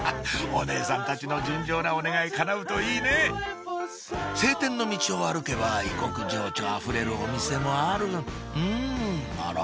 お姉さんたちの純情なお願いかなうといいね晴天のミチを歩けば異国情緒あふれるお店もあるんあら？